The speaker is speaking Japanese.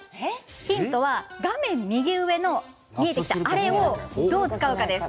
ヒントは画面右上に見えてきたあれをどう使うかですよ。